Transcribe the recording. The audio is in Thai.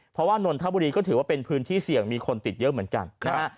เพราะว่านนทบุรีก็ถือว่าเป็นพื้นที่เสี่ยงมีคนติดเยอะเหมือนกันนะฮะ